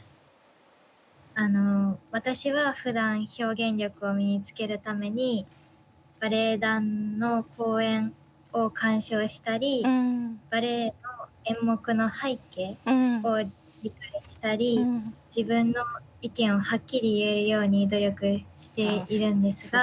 私はふだん表現力を身につけるためにバレエ団の公演を鑑賞したりバレエの演目の背景を理解したり自分の意見をはっきり言えるように努力しているんですが。